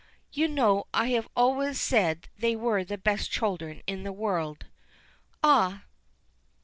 "You know I have always said they were the best children in the world." "Ah!